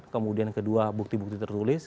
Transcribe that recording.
kemudian kedua bukti bukti tertulis